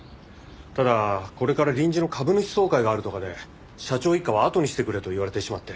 ただこれから臨時の株主総会があるとかで社長一家はあとにしてくれと言われてしまって。